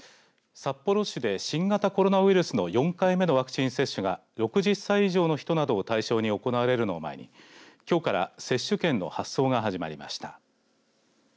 札幌市で新型コロナウイルスの４回目のワクチン接種が６０歳以上の人などを対象に行われるのを前にきょうから接種券の発送が始まりました。